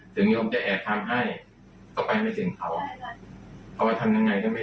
เขาชอบอะไรเราก็ไม่ได้